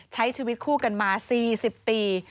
ใช้ชีวิตคู่กันมา๔๐ปี